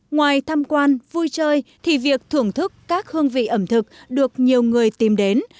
ngoài tham quan vui chơi thì việc thưởng thức các hương vị ẩm thực được nhiều người tìm đến